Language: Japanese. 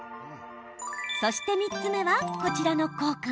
そして３つ目は、こちらの効果。